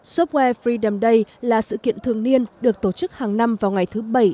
software freedom day là sự kiện thường niên được tổ chức hàng năm vào ngày thứ bảy